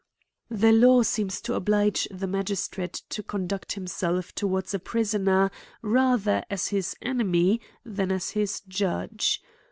The law seems to oblige tlie magistrate to con duct himself towards a prisoner, rather as his enemy, than as his judge.